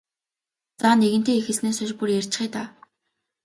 За нэгэнтээ эхэлснээс хойш бүр ярьчихъя даа.